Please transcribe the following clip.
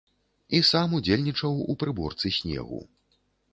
І сам удзельнічаў у прыборцы снегу.